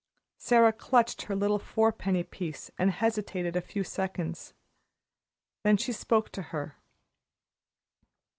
Sara clutched her little four penny piece, and hesitated a few seconds. Then she spoke to her.